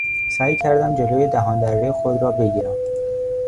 سعی کردم جلو دهاندرهی خود را بگیرم.